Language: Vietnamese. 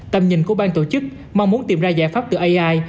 tầm nhìn của bang tổ chức mong muốn tìm ra giải pháp từ ai